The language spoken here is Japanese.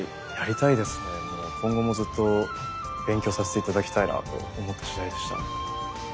もう今後もずっと勉強させて頂きたいなと思ったしだいでした。